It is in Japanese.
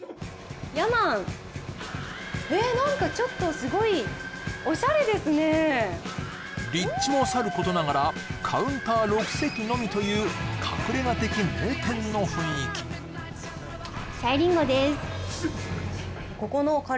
ｙａｍａｎえっ何かちょっとすごい立地もさることながらカウンター６席のみという隠れ家的名店の雰囲気さゆりんごです